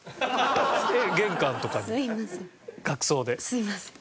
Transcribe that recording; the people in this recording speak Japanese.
すいません。